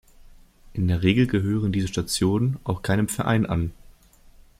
In der Regel gehören diese Stationen auch keinem Verein an.